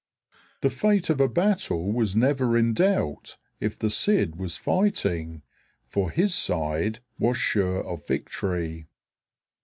The fate of a battle was never in doubt if the Cid was fighting; for his side was sure of victory.